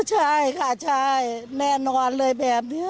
ใช่ค่ะใช่แน่นอนเลยแบบนี้